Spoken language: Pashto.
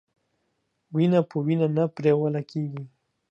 وينه په وينه نه پريوله کېږي.